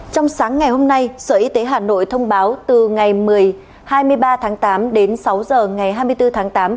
trong sáng ngày hôm nay sở y tế hà nội thông báo từ ngày hai mươi ba tháng tám đến sáu giờ ngày hai mươi bốn tháng tám